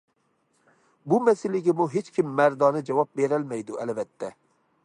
بۇ مەسىلىگىمۇ ھېچكىم مەردانە جاۋاب بېرەلمەيدۇ، ئەلۋەتتە.